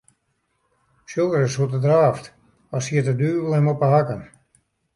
Sjoch ris hoe't er draaft, as siet de duvel him op 'e hakken.